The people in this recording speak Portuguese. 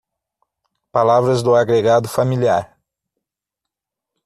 Palavras do agregado familiar